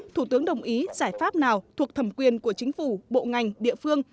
thủ tướng đồng ý giải pháp nào thuộc thẩm quyền của chính phủ bộ ngành địa phương